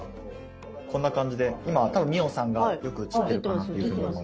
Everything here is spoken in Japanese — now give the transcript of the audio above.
こんな感じで今多分ミオンさんがよく映ってるかなというふうに思います。